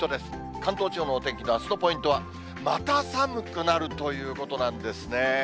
関東地方のお天気のあすのポイントは、また寒くなるということなんですね。